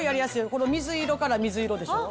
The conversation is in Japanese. この水色から水色でしょ。